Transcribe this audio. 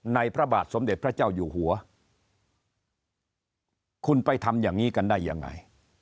พระบาทสมเด็จพระเจ้าอยู่หัวคุณไปทำอย่างนี้กันได้ยังไง